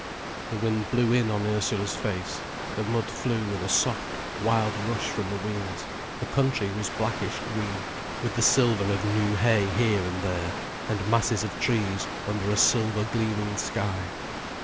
The wind blew in on Ursula's face, the mud flew in a soft, wild rush from the wheels, the country was blackish green, with the silver of new hay here and there, and masses of trees under a silver gleaming sky.